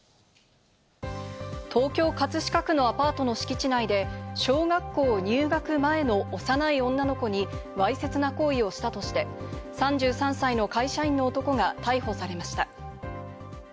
東京・葛飾区のアパートの敷地内で、小学校入学前の幼い女の子にわいせつな行為をしたとして、３３歳の会社員の男が逮捕されました。